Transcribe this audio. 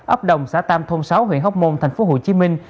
ấp đồng xã tam thôn sáu huyện hóc môn thành phố hồ chí minh